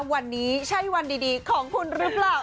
วันนี้ใช่วันดีของคุณหรือเปล่า